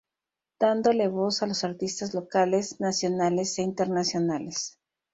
Dándole voz a los artistas locales, nacionales e internacionales.